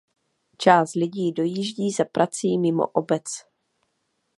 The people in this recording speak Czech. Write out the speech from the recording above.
Část lidí dojíždí za prací mimo obec.